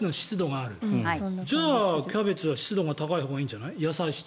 じゃあキャベツは湿度が高いほうがいいんじゃない？